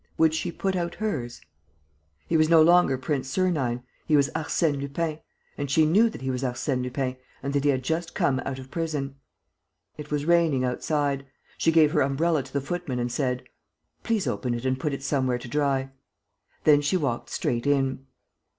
Would she put out hers? He was no longer Prince Sernine: he was Arsène Lupin. And she knew that he was Arsène Lupin and that he had just come out of prison. It was raining outside. She gave her umbrella to the footman and said: "Please open it and put it somewhere to dry." Then she walked straight in.